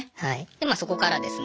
でまあそこからですね